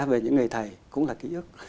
về những người thầy cũng là ký ức